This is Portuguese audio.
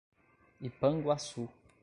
Ipanguaçu